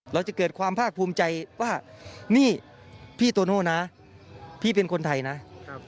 เราจะเกิดความภาคภูมิใจว่านี่พี่โตโน่นะพี่เป็นคนไทยนะครับ